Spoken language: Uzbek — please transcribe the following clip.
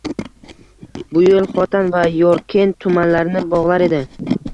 Bu yoʻl Xotan va Yorkent tumanlarini bogʻlar edi.